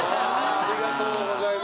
ありがとうございます。